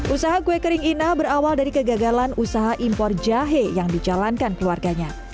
usaha kue kering ina berawal dari kegagalan usaha impor jahe yang dijalankan keluarganya